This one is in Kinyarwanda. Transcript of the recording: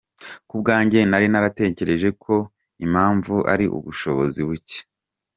Ku bwanjye nari naratekereje ko impamvu ari ubushobozi buke.